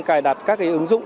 cài đặt các ứng dụng